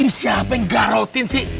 ini siapa yang garutin sih